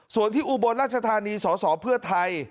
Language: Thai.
ส่วนที่อุบลราชธานีสสเพื่อไทย